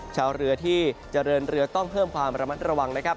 ชาวเรือที่เจริญเรือต้องเพิ่มความระมัดระวังนะครับ